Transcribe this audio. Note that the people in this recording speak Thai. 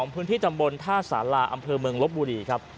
พื้นที่ตำบลท่าสาราอำเภอเมืองลบบุรีครับ